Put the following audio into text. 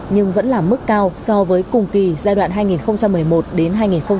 nhưng vẫn là mức cao so với cùng kỳ giai đoạn hai nghìn một mươi một đến hai nghìn một mươi bảy